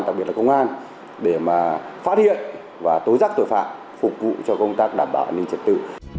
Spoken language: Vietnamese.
đặc biệt là công an để mà phát hiện và tối giác tội phạm phục vụ cho công tác đảm bảo an ninh trật tự